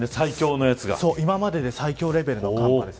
今までで最強レベルの寒波です。